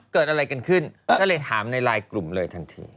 เกิดอะไรกันขึ้นก็เลยถามในไลน์กลุ่มเลยทันที